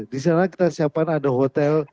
di sana kita siapkan ada hotel